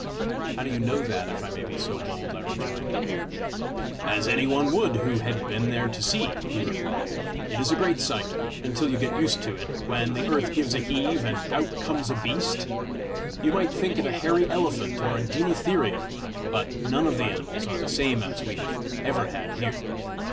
"How do you know that, if I may be so bold?" I rejoined. "As any one would who had been there to see," he replied. "It is a great sight, until you get used to it, when the earth gives a heave, and out comes a beast. You might think it a hairy elephant or a deinotherium but none of the animals are the same as we have ever had here.